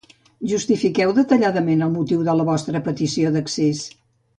Justifiqueu detalladament el motiu de la vostra petició d'accés.